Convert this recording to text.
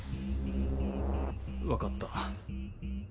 分かった。